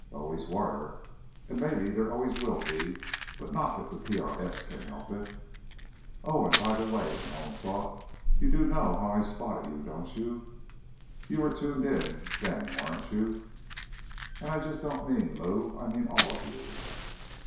_ Always were. And maybe there always will be—but not if the PRS can help it. Oh, and by the way, Malone thought. You do know how I spotted you, don't you? You were tuned in then, weren't you? _And I don't mean just Lou. I mean all of you.